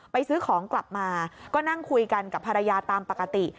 ซื้อของกลับมาก็นั่งคุยกันกับภรรยาตามปกติ